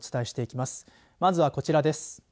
まずは、こちらです。